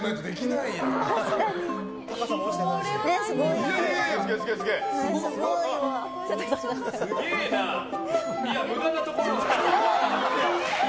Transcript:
いや、無駄なところ。